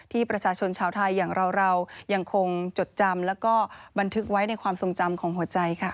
ประชาชนชาวไทยอย่างเรายังคงจดจำแล้วก็บันทึกไว้ในความทรงจำของหัวใจค่ะ